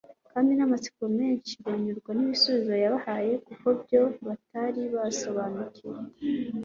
kandi n’amatsiko menshi banyurwa n’ibisubizo yabahaye ku byo batari basobanukiwe